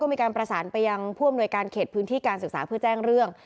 มีการประสานไปยังผู้อำนวยการเขตพื้นที่การศึกษาเพื่อแจ้งเรื่อง